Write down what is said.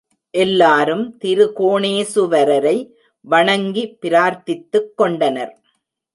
எல்லாரும் திருகோணேசுவரரை வணங்கி பிரார்த்தித்துக் கொண்டனர்.